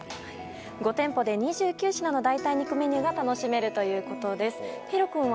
５店舗で２９品の代替肉メニューが楽しめるということです。